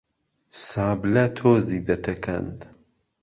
سابلە تۆزی دەتەکاند